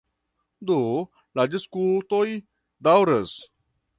Do la diskutoj daŭras.